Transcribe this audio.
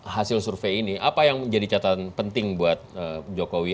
hasil survei ini apa yang menjadi catatan penting buat jokowi